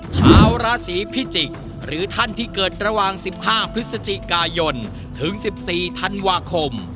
ชาวราศีพิจิกษ์หรือท่านที่เกิดระหว่าง๑๕พฤศจิกายนถึง๑๔ธันวาคม